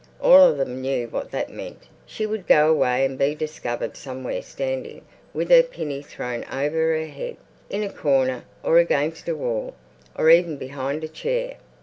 All of them knew what that meant. She would go away and be discovered somewhere standing with her pinny thrown over her head, in a corner, or against a wall, or even behind a chair.